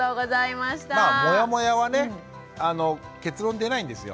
まあモヤモヤはね結論出ないんですよ。